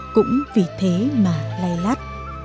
cũng vì thế mà lay lắt